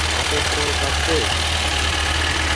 আছে তোর কাছে?